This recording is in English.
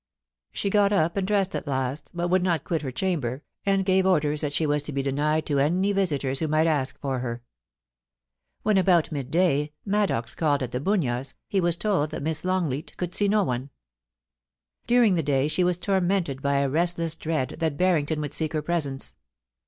She got up and dressed at last, but would not quit her chamber, and gave orders that she was to be denied to any visitors who might ask for her. When, about mid day, Maddox called at The Bunyas, he was told that Miss Longleat could see no one. During the day she was tormented by a restless dread SINISTER OMENS. 363 that Barrington would seek her presence.